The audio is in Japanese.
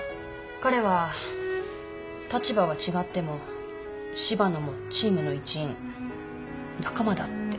彼は立場は違っても柴野もチームの一員仲間だって。